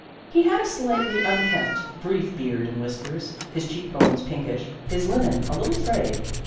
He had a slightly unkempt, brief beard and whiskers, his cheek bones pinkish, his linen a little frayed.